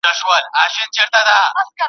د بادار باداري ځي، د مزدور مزدوري نه ځي.